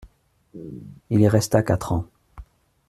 Il y resta quatre ans.